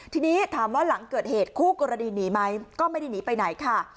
ทีนี้ถามว่าหลังเกิดเหตุคู่กรณีหนีไหมก็ไม่ได้หนีไปไหนค่ะ